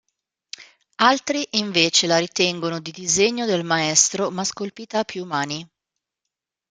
Altri invece la ritengono di disegno del maestro ma scolpita a più mani.